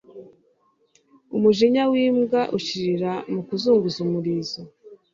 umujinya w'imbwa ushirira mu kuzunguza umurizo